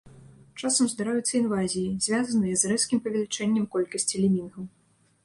Часам здараюцца інвазіі, звязаныя з рэзкім павелічэннем колькасці лемінгаў.